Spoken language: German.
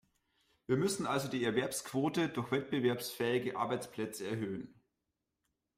Wir müssen also die Erwerbsquote durch wettbewerbsfähige Arbeitsplätze erhöhen.